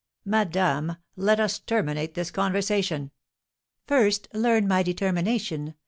"Madame, let us terminate this conversation." "First learn my determination.